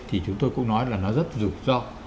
thì chúng tôi cũng nói là nó rất rủi ro